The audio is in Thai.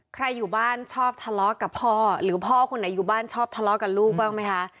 อยู่บ้านชอบทะเลาะกับพ่อหรือพ่อคนไหนอยู่บ้านชอบทะเลาะกับลูกบ้างไหมคะ